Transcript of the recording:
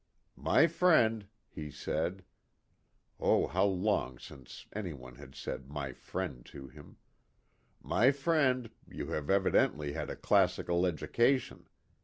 " My friend," he said (oh ! how long since any one had said my friend to him), "my friend, you have evidently had a classical education.